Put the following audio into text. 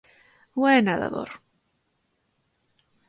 Buen nadador.